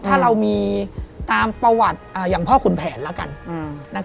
ถ้าเรามีตามประวัติอย่างพ่อขุนแผนแล้วกัน